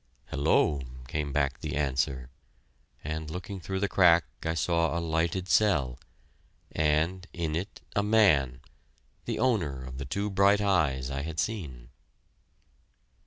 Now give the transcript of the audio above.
"Hello!" came back the answer; and looking through the crack I saw a lighted cell, and in it a man, the owner of the two bright eyes I had seen.